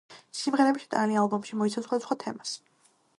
სიმღერები, შეტანილი ალბომში, მოიცავს სხვადასხვა თემას.